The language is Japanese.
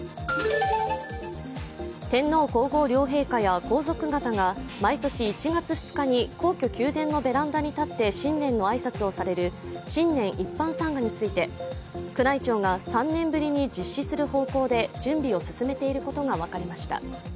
天皇皇后両陛下や皇族方が毎年１月２日に皇居・宮殿のベランダに立って新年の挨拶をされる新年一般参賀について宮内庁が３年ぶりに実施する方向で準備を進めていることが分かりました。